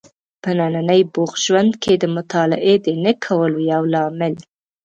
په ننني بوخت ژوند کې د مطالعې د نه کولو یو لامل